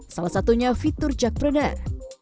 salah satunya fitur cekpreneur